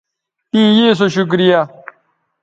تیں یے سو شکریہ